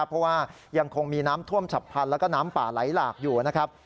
เพราะว่ายังคงมีน้ำท่วมฉับพันธุ์แล้วก็น้ำป่าไหลหลากอยู่นะครับ